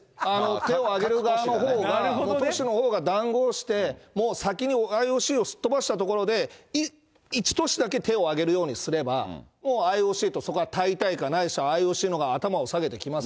手を挙げる側のほうが、都市のほうが断行して、もう先にＩＯＣをすっ飛ばしたところで、一都市だけ手を挙げるようにすれば、もうＩＯＣと大会、ＩＯＣのほうが頭を下げてきます。